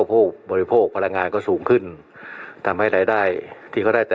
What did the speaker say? ไปฟังดีกว่า